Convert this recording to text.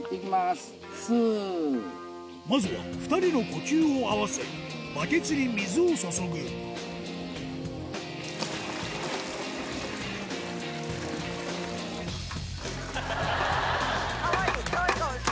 まずは２人の呼吸を合わせバケツに水を注ぐかわいい！